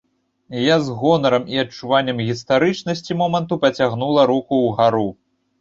Я з гонарам і адчуваннем гістарычнасці моманту пацягнула руку ўгару.